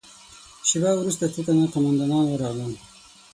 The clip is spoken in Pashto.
شېبه وروسته څو تنه قوماندانان ورغلل.